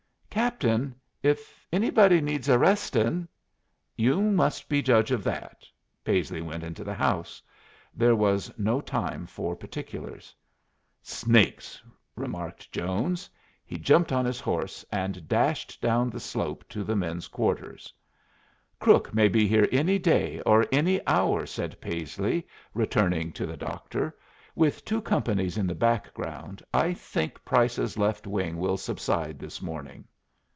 "Captain if anybody needs arrestin' " "You must be judge of that." Paisley went into the house. There was no time for particulars. "Snakes!" remarked Jones. He jumped on his horse and dashed down the slope to the men's quarters. "Crook may be here any day or any hour," said Paisley, returning to the doctor. "With two companies in the background, I think Price's Left Wing will subside this morning."